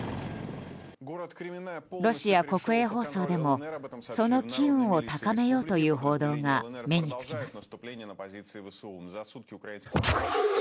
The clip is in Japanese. ロシア国営放送でもその機運を高めようという報道が目につきます。